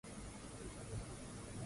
na utafanyaje hilo ili hilo swala la